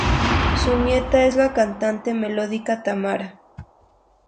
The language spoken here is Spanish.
Su nieta es la cantante melódica Tamara.